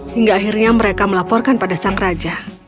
hingga akhirnya mereka melaporkan pada sang raja